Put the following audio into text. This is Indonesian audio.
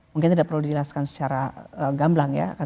mungkin tidak perlu dijelaskan secara gamblang ya